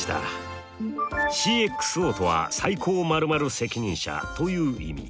ＣｘＯとは最高○○責任者という意味。